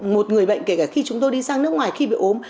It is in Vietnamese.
một người bệnh kể cả khi chúng tôi đi sang nước ngoài khi bị ốm